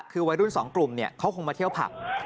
คือวัยรุ่น๒กลุ่มเขาคงมาเที่ยวผับ